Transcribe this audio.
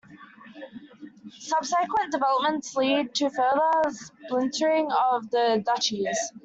Subsequent developments lead to further splintering of the duchies.